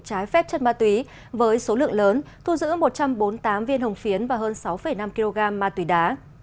trái phép chất ma túy với số lượng lớn thu giữ một trăm bốn mươi tám viên hồng phiến và hơn sáu năm kg ma túy đá